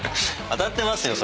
当たってますよ。